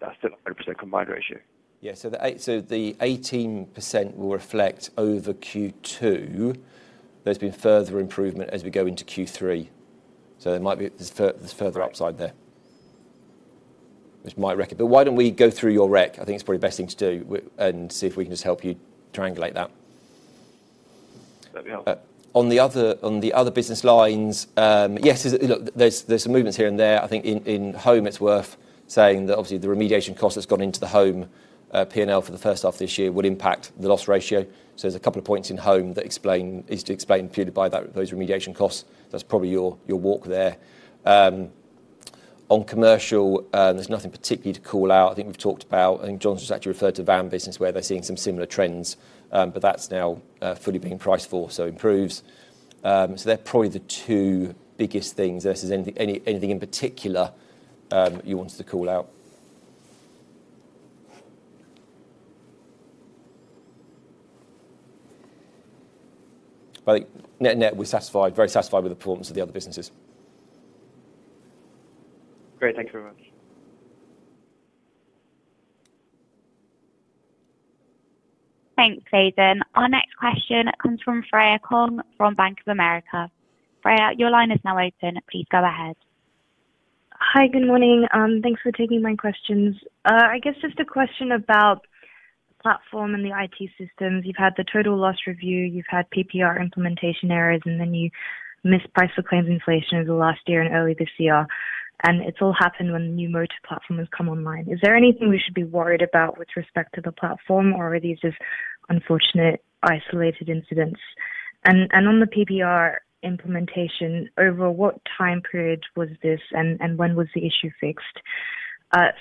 Speaker 10: that's still a 100% combined ratio.
Speaker 3: Yeah. So the 18% will reflect over Q2. There's been further improvement as we go into Q3, so there might be... There's further upside there, which might rec... But why don't we go through your rec? I think it's probably the best thing to do and see if we can just help you triangulate that.
Speaker 10: That'd be helpful.
Speaker 3: On the other business lines, yes, look, there's some movements here and there. I think in Home, it's worth saying that obviously the remediation cost has gone into the Home P&L for the first half of this year would impact the loss ratio. So there's a couple of points in Home that explain, is to explain purely by that, those remediation costs. That's probably your walk there. On Commercial, there's nothing particularly to call out. I think we've talked about, and Jon has actually referred to the van business, where they're seeing some similar trends, but that's now fully being priced for, so improves. So they're probably the two biggest things versus anything in particular you wanted to call out. But net, net, we're satisfied, very satisfied with the performance of the other businesses.
Speaker 11: Great. Thank you very much.
Speaker 1: Thanks, Aidan. Our next question comes from Freya Kong from Bank of America. Freya, your line is now open. Please go ahead.
Speaker 12: Hi, good morning. Thanks for taking my questions. I guess just a question about platform and the IT systems. You've had the total loss review, you've had PBR implementation errors, and then you missed BI claims inflation over the last year and early this year, and it's all happened when the new motor platform has come online. Is there anything we should be worried about with respect to the platform, or are these just unfortunate isolated incidents? And on the PBR implementation, over what time period was this, and when was the issue fixed?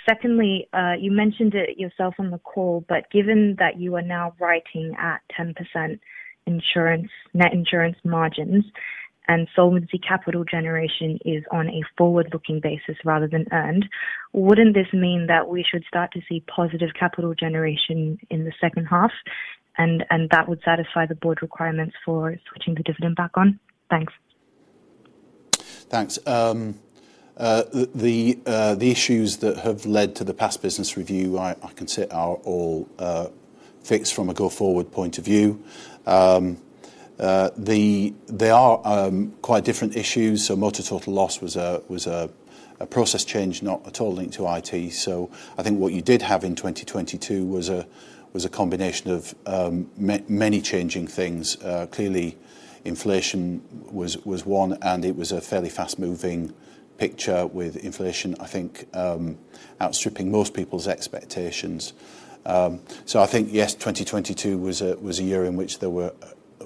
Speaker 12: Secondly, you mentioned it yourself on the call, but given that you are now writing at 10% insurance, net insurance margins, and solvency capital generation is on a forward-looking basis rather than earned, wouldn't this mean that we should start to see positive capital generation in the second half, and that would satisfy the board requirements for switching the dividend back on? Thanks.
Speaker 2: Thanks. The issues that have led to the past business review, I can say are all fixed from a go-forward point of view. They are quite different issues, so motor total loss was a process change, not at all linked to IT. So I think what you did have in 2022 was a combination of many changing things. Clearly, inflation was one, and it was a fairly fast-moving picture with inflation, I think, outstripping most people's expectations. So I think, yes, 2022 was a year in which there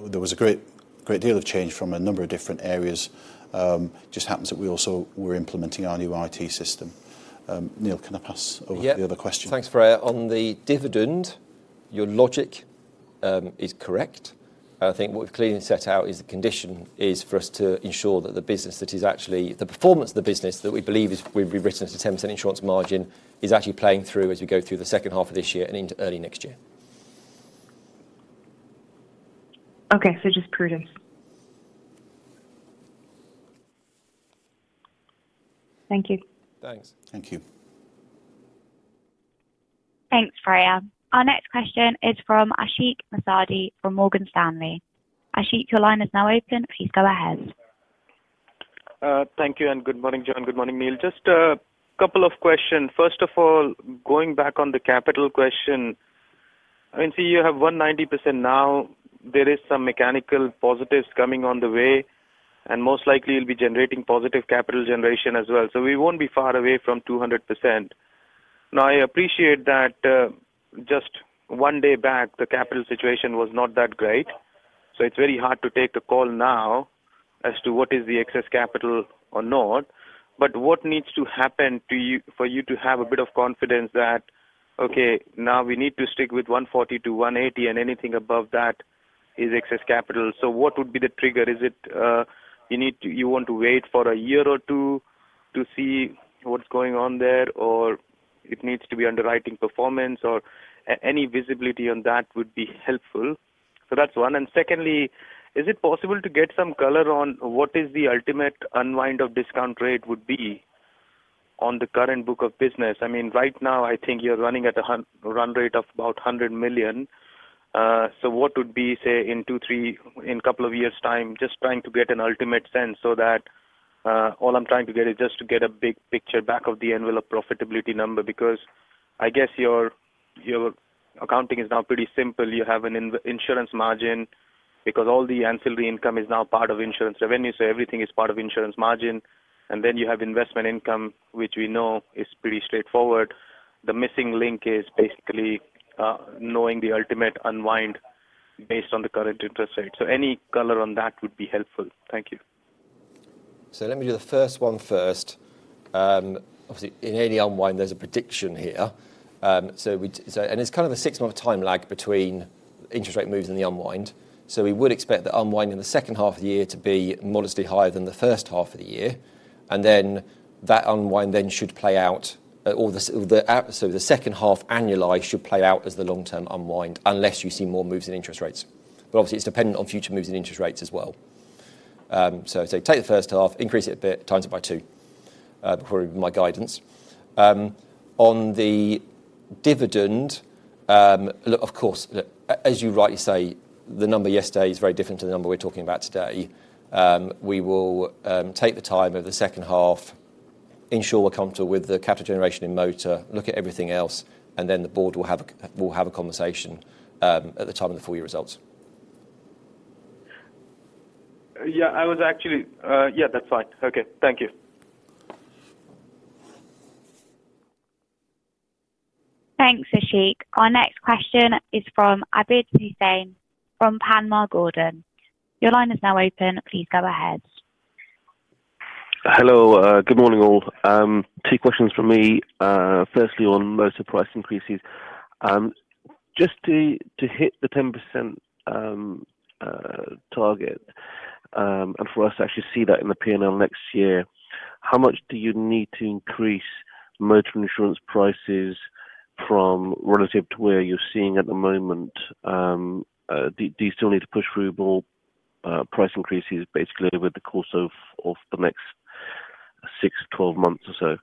Speaker 2: was a great deal of change from a number of different areas. Just happens that we also were implementing our new IT system. Neil, can I pass over to the other question?
Speaker 3: Yeah. Thanks, Freya. On the dividend, your logic is correct. I think what we've clearly set out is the condition is for us to ensure that the business that is actually the performance of the business that we believe is, we've rewritten as a 10% insurance margin, is actually playing through as we go through the second half of this year and into early next year.
Speaker 12: Okay, so just prudence. Thank you.
Speaker 3: Thanks.
Speaker 2: Thank you.
Speaker 1: Thanks, Freya. Our next question is from Ashik Musaddi from Morgan Stanley. Ashik, your line is now open. Please go ahead.
Speaker 13: Thank you, and good morning, Jon. Good morning, Neil. Just a couple of questions. First of all, going back on the capital question, I mean, so you have 190% now. There is some mechanical positives coming on the way, and most likely you'll be generating positive capital generation as well. So we won't be far away from 200%. Now, I appreciate that, just one day back, the capital situation was not that great, so it's very hard to take the call now as to what is the excess capital or not. But what needs to happen to you—for you to have a bit of confidence that, okay, now we need to stick with 140%-180%, and anything above that is excess capital. So what would be the trigger? Is it you need to—you want to wait for a year or two to see what's going on there, or it needs to be underwriting performance, or any visibility on that would be helpful. So that's one. And secondly, is it possible to get some color on what is the ultimate unwind of discount rate would be on the current book of business? I mean, right now, I think you're running at a run rate of about 100 million. So what would be, say, in 2, 3, in a couple of years' time, just trying to get an ultimate sense so that... All I'm trying to get is just to get a big picture back-of-the-envelope profitability number, because I guess your, your accounting is now pretty simple. You have an insurance margin because all the ancillary income is now part of insurance revenue, so everything is part of insurance margin. And then you have investment income, which we know is pretty straightforward. The missing link is basically knowing the ultimate unwind based on the current interest rate. So any color on that would be helpful. Thank you.
Speaker 3: So let me do the first one first. Obviously, in any unwind, there's a prediction here. So, and it's kind of a 6-month time lag between interest rate moves and the unwind. So we would expect the unwind in the second half of the year to be modestly higher than the first half of the year, and then that unwind then should play out. So the second half annualize should play out as the long-term unwind, unless you see more moves in interest rates. But obviously, it's dependent on future moves in interest rates as well. So, so take the first half, increase it a bit, times it by 2, before we give my guidance. On the dividend, look, of course, look, as you rightly say, the number yesterday is very different to the number we're talking about today. We will take the time over the second half, ensure we're comfortable with the capital generation in motor, look at everything else, and then the board will have a conversation at the time of the full year results.
Speaker 13: Yeah, I was actually... yeah, that's fine. Okay. Thank you.
Speaker 1: Thanks, Ashik. Our next question is from Abid Hussain from Panmure Gordon. Your line is now open. Please go ahead.
Speaker 11: Hello. Good morning, all. Two questions from me. Firstly, on motor price increases. Just to hit the 10% target and for us to actually see that in the P&L next year, how much do you need to increase Motor Insurance prices from relative to where you're seeing at the moment? Do you still need to push through more price increases, basically, with the course of the next six to 12 months or so?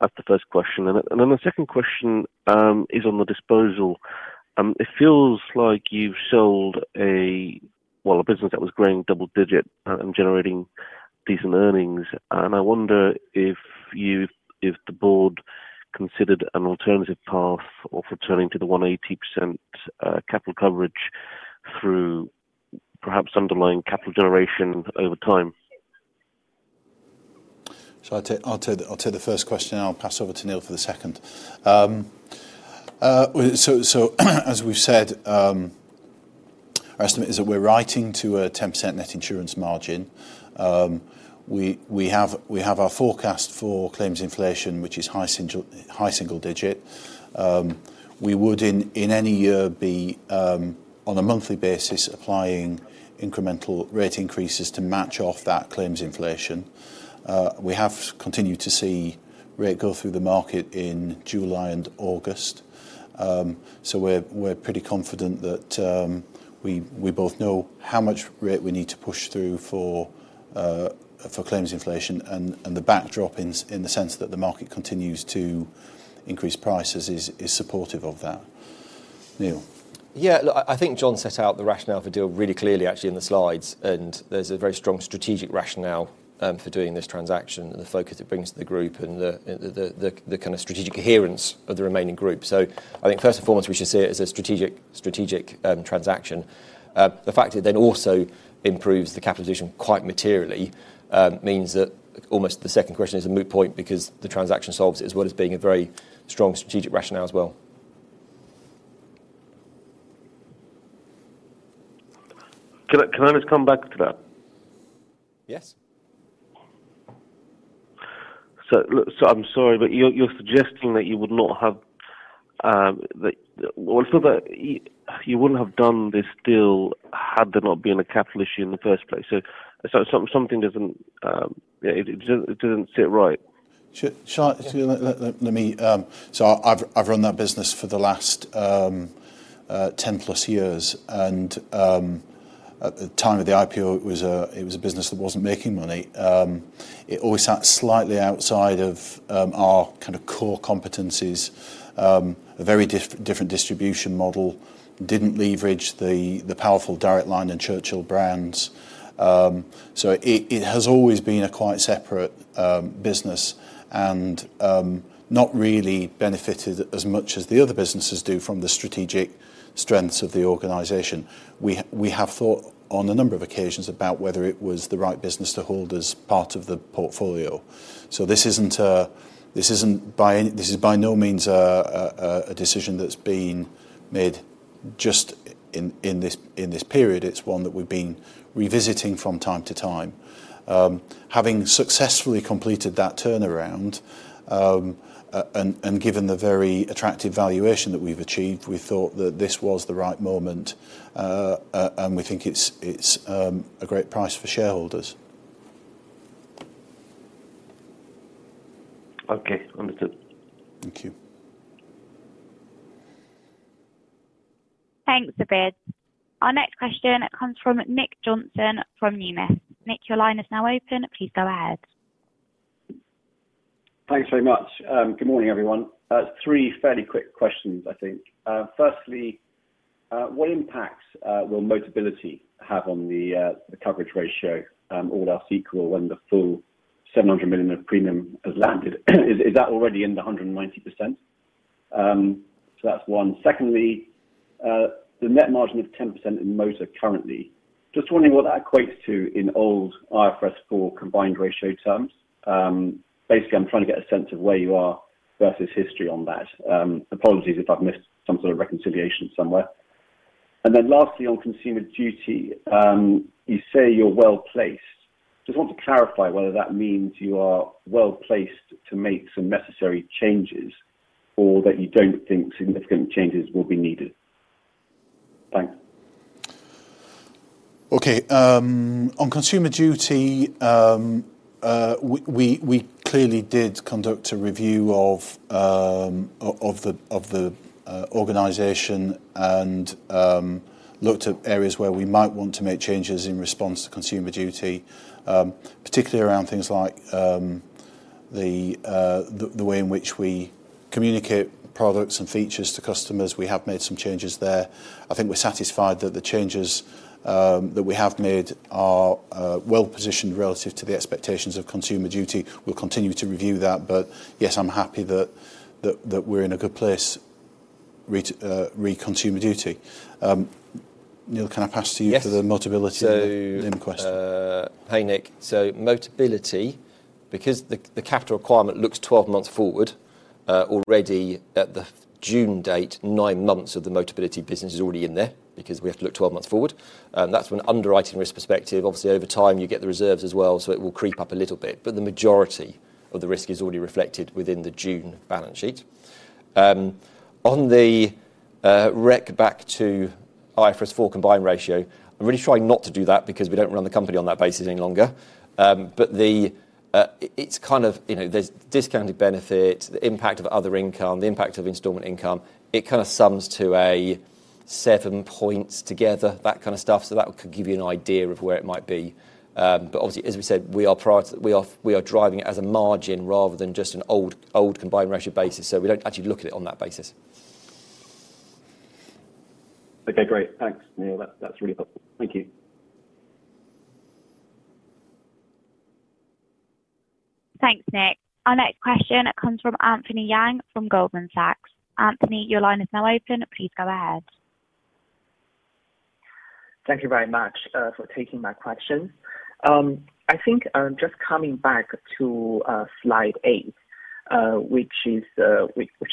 Speaker 11: That's the first question. And then the second question is on the disposal. It feels like you've solda business that was growing double-digit and generating decent earnings. I wonder if the board considered an alternative path of returning to the 180% capital coverage through perhaps underlying capital generation over time.
Speaker 2: So I'll take the first question, and I'll pass over to Neil for the second. So as we've said, our estimate is that we're writing to a 10% net insurance margin. We have our forecast for claims inflation, which is high single digit. We would in any year be on a monthly basis applying incremental rate increases to match off that claims inflation. We have continued to see rate go through the market in July and August. So we're pretty confident that we both know how much rate we need to push through for claims inflation and the backdrop in the sense that the market continues to increase prices is supportive of that. Neil?
Speaker 3: Yeah, look, I think Jon set out the rationale for the deal really clearly, actually, in the slides, and there's a very strong strategic rationale for doing this transaction and the focus it brings to the group and the kind of strategic coherence of the remaining group. So I think first and foremost, we should see it as a strategic transaction. The fact that it then also improves the capital position quite materially means that almost the second question is a moot point because the transaction solves it, as well as being a very strong strategic rationale as well.
Speaker 11: Can I just come back to that?
Speaker 3: Yes.
Speaker 11: So look, so I'm sorry, but you're suggesting that you wouldn't have done this deal had there not been a capital issue in the first place. So something doesn't sit right.
Speaker 2: So I've run that business for the last 10+ years, and at the time of the IPO, it was a business that wasn't making money. It always sat slightly outside of our kind of core competencies. A very different distribution model. Didn't leverage the powerful Direct Line and Churchill brands. So it has always been a quite separate business and not really benefited as much as the other businesses do from the strategic strengths of the organization. We have thought on a number of occasions about whether it was the right business to hold as part of the portfolio. So this is by no means a decision that's been made just in this period. It's one that we've been revisiting from time to time. Having successfully completed that turnaround, and given the very attractive valuation that we've achieved, we thought that this was the right moment, and we think it's a great price for shareholders.
Speaker 11: Okay, understood.
Speaker 2: Thank you.
Speaker 1: Thanks, Abid. Our next question comes from Nick Johnson from Numis. Nick, your line is now open. Please go ahead.
Speaker 14: Thanks very much. Good morning, everyone. Three fairly quick questions, I think. Firstly, what impacts will Motability have on the coverage ratio or loss ratio when the full 700 million of premium has landed? Is that already in the 190%? So that's one. Secondly, the net margin of 10% in Motor currently, just wondering what that equates to in old IFRS 4 combined ratio terms. Basically, I'm trying to get a sense of where you are versus history on that. Apologies if I've missed some sort of reconciliation somewhere. And then lastly, on Consumer Duty, you say you're well-placed. Just want to clarify whether that means you are well-placed to make some necessary changes or that you don't think significant changes will be needed. Thanks.
Speaker 2: Okay, on Consumer Duty, we clearly did conduct a review of the organization and looked at areas where we might want to make changes in response to Consumer Duty, particularly around things like the way in which we communicate products and features to customers. We have made some changes there. I think we're satisfied that the changes that we have made are well-positioned relative to the expectations of Consumer Duty. We'll continue to review that, but yes, I'm happy that we're in a good place re Consumer Duty. Neil, can I pass to you-
Speaker 3: Yes.
Speaker 2: For the Motability and the question?
Speaker 3: So, hi, Nick. Motability, because the capital requirement looks 12 months forward, already at the June date, 9 months of the Motability business is already in there because we have to look 12 months forward. And that's from an underwriting risk perspective. Obviously, over time, you get the reserves as well, so it will creep up a little bit, but the majority of the risk is already reflected within the June balance sheet. On the rec back to IFRS 4 combined ratio. I'm really trying not to do that because we don't run the company on that basis any longer. But the, it's kind of there's discounted benefit, the impact of other income, the impact of installment income. It kind of sums to 7 points together, that kind of stuff, so that could give you an idea of where it might be. But obviously, as we said, we are driving it as a margin rather than just an old combined ratio basis, so we don't actually look at it on that basis.
Speaker 14: Okay, great. Thanks, Neil. That's, that's really helpful. Thank you.
Speaker 1: Thanks, Nick. Our next question comes from Anthony Yang from Goldman Sachs. Anthony, your line is now open. Please go ahead.
Speaker 15: Thank you very much for taking my question. I think just coming back to slide 8, which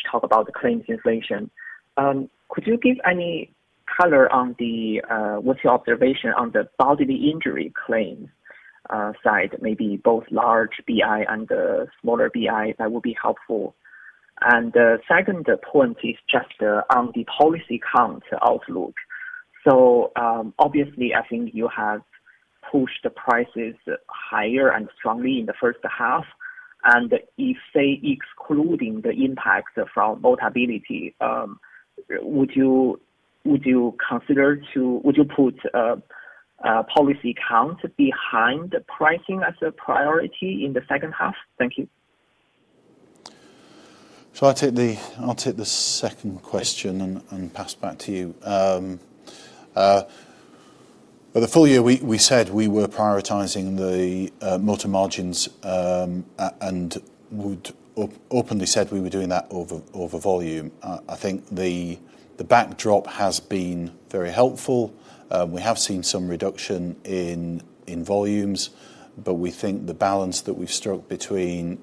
Speaker 15: talks about the claims inflation. Could you give any color on what's your observation on the bodily injury claim side, maybe both large BI and smaller BI? That would be helpful. And the second point is just on the policy count outlook. So, obviously, I think you have pushed the prices higher and strongly in the first half, and if, say, excluding the impact from Motability, would you put a policy count behind the pricing as a priority in the second half? Thank you.
Speaker 2: So I'll take the second question and pass back to you. For the full year, we said we were prioritizing the motor margins and would openly said we were doing that over volume. I think the backdrop has been very helpful. We have seen some reduction in volumes, but we think the balance that we've struck between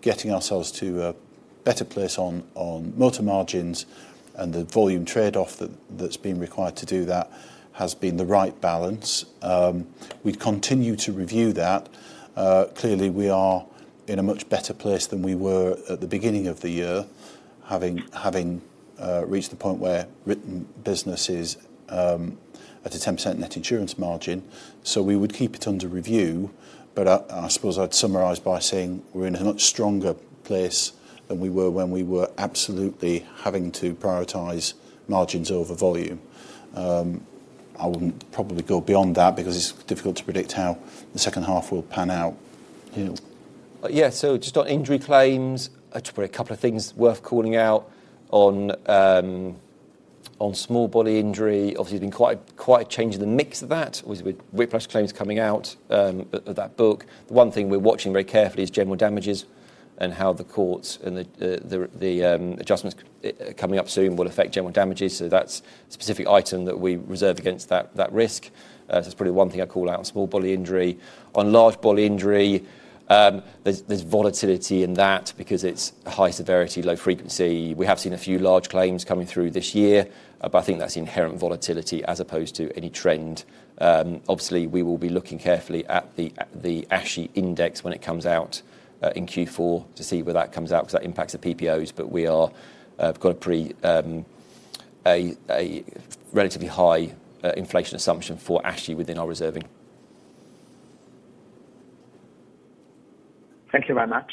Speaker 2: getting ourselves to a better place on motor margins and the volume trade-off that's been required to do that has been the right balance. We continue to review that. Clearly, we are in a much better place than we were at the beginning of the year, having reached the point where written business is at a 10% net insurance margin, so we would keep it under review. But I suppose I'd summarize by saying we're in a much stronger place than we were when we were absolutely having to prioritize margins over volume. I wouldn't probably go beyond that because it's difficult to predict how the second half will pan out, you know.
Speaker 3: Yeah. So just on injury claims, actually, a couple of things worth calling out on small bodily injury. Obviously, there's been quite, quite a change in the mix of that, with whiplash claims coming out of that book. The one thing we're watching very carefully is general damages and how the courts and the adjustments coming up soon will affect general damages. So that's a specific item that we reserve against that risk. That's probably one thing I'd call out on small bodily injury. On large bodily injury, there's volatility in that because it's high severity, low frequency. We have seen a few large claims coming through this year, but I think that's inherent volatility as opposed to any trend. Obviously, we will be looking carefully at the ASHE index when it comes out in Q4 to see where that comes out, because that impacts the PPOs, but we are got a pretty a relatively high inflation assumption for ASHE within our reserving.
Speaker 15: Thank you very much.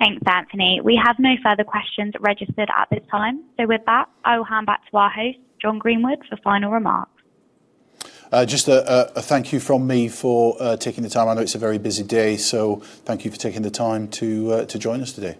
Speaker 1: Thanks, Anthony. We have no further questions registered at this time. So with that, I will hand back to our host, Jon Greenwood, for final remarks.
Speaker 2: Just a thank you from me for taking the time. I know it's a very busy day, so thank you for taking the time to join us today.